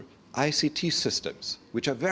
mendapatkan sistem ict anda